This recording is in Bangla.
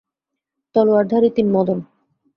তলোয়ারধারী তিন মদন।